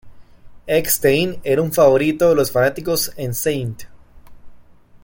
Eckstein era un favorito de los fanáticos en St.